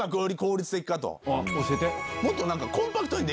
教えて。